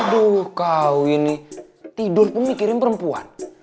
aduh kau ini tidur pemikirin perempuan